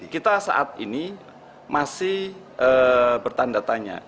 kita saat ini masih bertanda tanya